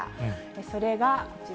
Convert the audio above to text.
それがこちら。